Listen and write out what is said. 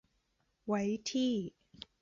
ไว้ที่